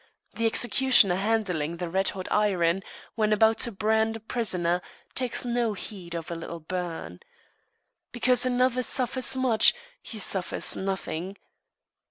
The executioner handling the red hot iron, when about to brand a prisoner, takes no heed of a little burn. Because another suffers much, he suffers nothing.